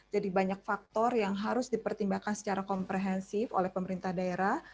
jadi banyak faktor yang harus dipertimbangkan secara komprehensif oleh pemerintah daerah